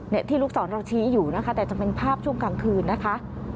ที่ลูกศรเราชี้อยู่นะคะแต่จะเป็นภาพช่วงกลางคืนนะคะ